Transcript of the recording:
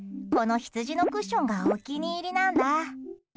この羊のクッションがお気に入りなんだ。